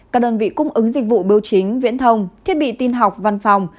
các đơn vị cung ứng dịch vụ biểu chính viễn thông thiết bị tin học văn phòng